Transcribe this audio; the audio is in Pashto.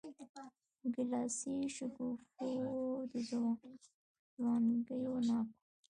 د ګیلاسي شګوفو د ځوانکیو ناکو